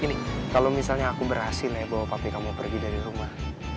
gini kalau misalnya aku berhasil ya bawa pabrik kamu pergi dari rumah